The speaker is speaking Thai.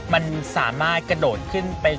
มันสามารถกระโดดขึ้นไป